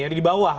yang di bawah